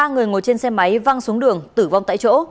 ba người ngồi trên xe máy văng xuống đường tử vong tại chỗ